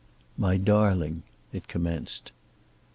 "My darling," it commenced.